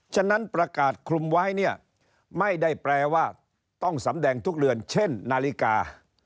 ฉะนั้นประกาศคลุมไว้เนี่ยไม่ได้แปลว่าต้องสำแดงทุกเรือนเช่นนาฬิกา